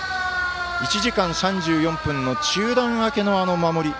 １時間３４分の中断明けのあの守り。